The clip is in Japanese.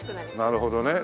なるほどね。